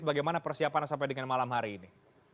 bagaimana persiapannya sampai dengan malam hari ini